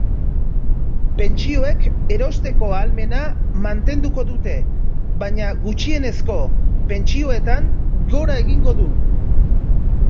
Pentsioek erosteko ahalmena mantenduko dute, baina gutxienezko pentsioetan gora egingo du.